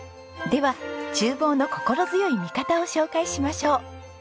では厨房の心強い味方を紹介しましょう。